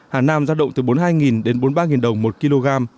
hà nam giao động từ bốn mươi hai đến bốn mươi ba đồng một kg